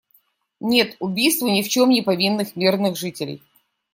Нет убийству ни в чем не повинных мирных жителей.